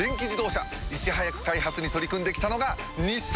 いち早く開発に取り組んで来たのが日産！